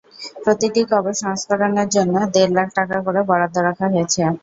প্রতিটি কবর সংরক্ষণের জন্য দেড় লাখ টাকা করে বরাদ্দ রাখা হয়েছে।